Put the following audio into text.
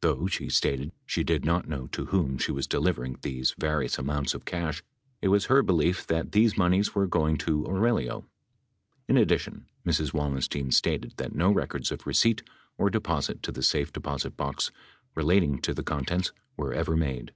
Though she stated she did not know to whom she was delivering these various amounts of cash, it was her belief that these moneys were going to Aurelio. In addition. Mrs. Wallenstein stated that no records of receipt or deposit to the safe deposit box relating to the contents were ever made.